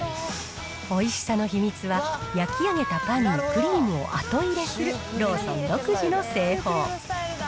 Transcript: おいしさの秘密は、焼き上げたパンにクリームを後入れするローソン独自の製法。